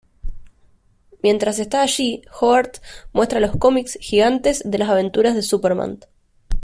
Mientras está allí, Hogarth muestra los cómics gigantes de las aventuras de Superman.